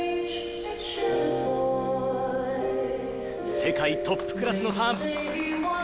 世界トップクラスのターン！